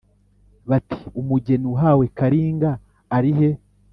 Bati :umugeni uhawe Kalinga arihe